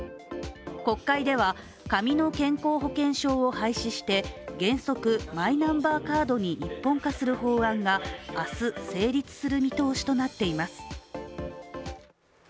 国会では紙の健康保険証を廃止して原則マイナンバーカードに一本化する法案が明日、成立する見通しとなっています。